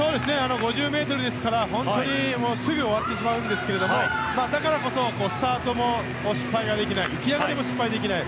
５０ｍですから本当にすぐ終わってしまうんですけどだからこそスタートも失敗ができない浮き上がりも失敗できない。